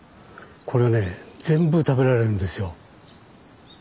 これはね全部食べられるんですよ。